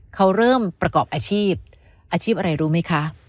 เขาเริ่มประกอบอาชีพอาชีพอะไรรู้ไหมคะ